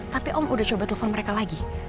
tapi om udah coba telepon mereka lagi